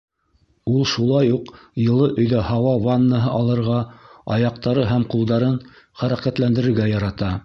Ул шулай уҡ йылы өйҙә һауа ваннаһы алырға, аяҡтары һәм ҡулдарын хәрәкәтләндерергә ярата.